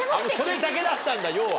それだけだったんだ要は。